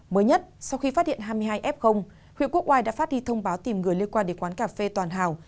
mới nhất sau khi phát hiện hai mươi hai f huyện quốc oai đã phát đi thông báo tìm người liên quan đến quán cà phê toàn hào